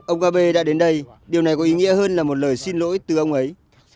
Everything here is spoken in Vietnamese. ông kb đã đến đây điều này có ý nghĩa hơn là một lời xin lỗi từ ông ấy